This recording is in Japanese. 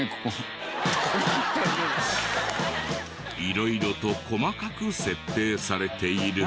色々と細かく設定されている。